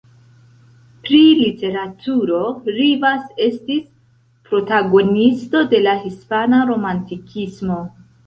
Pri literaturo, Rivas estis protagonisto de la hispana romantikismo.